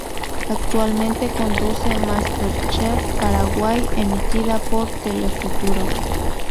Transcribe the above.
Actualmente conduce Masterchef Paraguay emitida por Telefuturo.